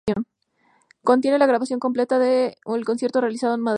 Contiene la grabación completa de un concierto realizado en Madrid.